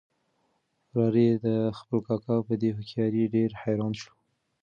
وراره یې د خپل کاکا په دې هوښیارۍ ډېر حیران شو.